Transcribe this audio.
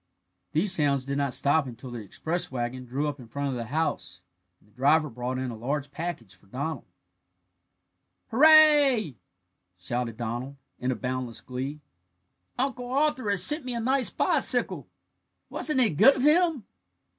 These sounds did not stop until the express wagon drew up in front of the house, and the driver brought in a large package for Donald. "Hurrah!" shouted Donald, in boundless glee. "Uncle Arthur has sent me a nice bicycle! Wasn't it good of him?"